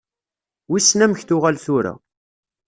Wissen amek tuɣal tura.